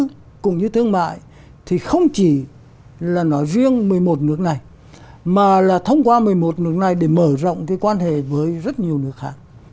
nước cũng như thương mại thì không chỉ là nói riêng một mươi một nước này mà là thông qua một mươi một nước này để mở rộng cái quan hệ với rất nhiều nước khác